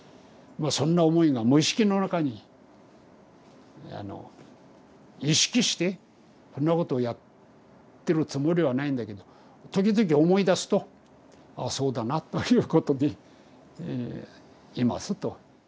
そんな思いが無意識の中に意識してそんなことをやってるつもりはないんだけど時々思い出すと「ああそうだな」ということでいますと。